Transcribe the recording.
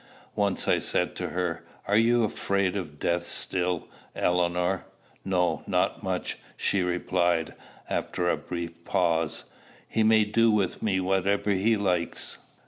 Once I said to her, "Are you afraid of death still, Eleanor?" "No not much," she replied, after a brief pause. "He may do with me whatever He likes."